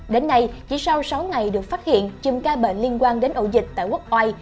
đến nay chỉ sau sáu ngày được phát hiện chùm ca bệnh liên quan đến ẩu dịch tại quốc oai